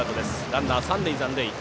ランナー、三塁残塁。